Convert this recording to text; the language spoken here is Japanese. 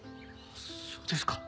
そうですか。